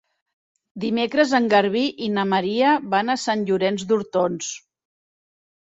Dimecres en Garbí i na Maria van a Sant Llorenç d'Hortons.